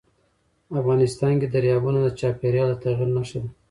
افغانستان کې دریابونه د چاپېریال د تغیر نښه ده.